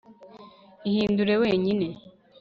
ihindure wenyine